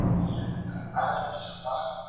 که چا په وزن کي درغلي کوله څه جزا ورته ورکول کيده؟